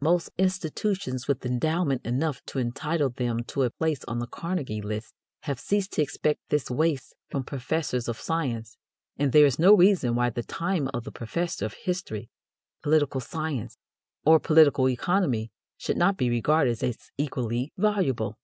Most institutions with endowment enough to entitle them to a place on the "Carnegie list" have ceased to expect this waste from professors of science, and there is no reason why the time of the professor of history, political science, or political economy should not be regarded as equally valuable.